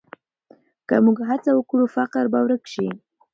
که موږ هڅه وکړو، فقر به ورک شي.